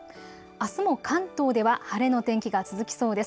あすも関東では晴れの天気が続きそうです。